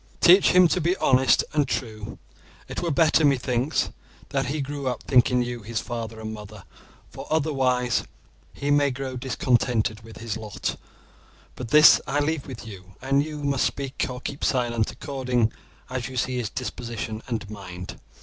Teach him to be honest and true. It were better, methinks, that he grew up thinking you his father and mother, for otherwise he may grow discontented with his lot; but this I leave with you, and you must speak or keep silent according as you see his disposition and mind.